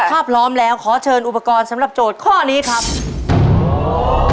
ถ้าพร้อมแล้วขอเชิญอุปกรณ์สำหรับโจทย์ข้อนี้ครับ